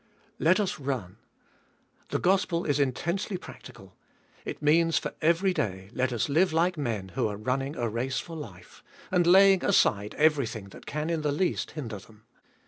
3. Let us run. The gospel is intensely practical. It means for every day, let us live like men who are running a race for life, and laying aside everything that can in the least hinder them.